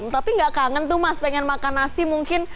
tapi gak kangen tuh mas pengen makan nasi mungkin